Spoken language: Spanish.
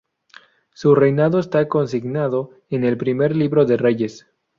Su reinado está consignado en el Primer Libro de Reyes.